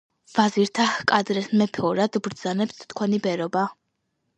ვაზირთა ჰკადრეს: "მეფეო, რად ჰბრძანეთ თქვენი ბერობა?